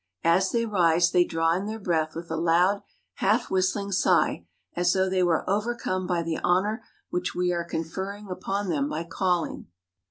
As they rise, they draw in their breath with a loud, half whistling sigh, as though they were overcome by the honor which we are conferring upon them by calling.